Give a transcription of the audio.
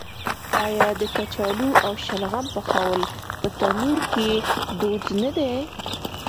آیا د کچالو او شلغم پخول په تندور کې دود نه دی؟